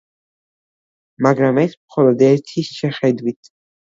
მაგრამ ეს მხოლოდ ერთი შეხედვით.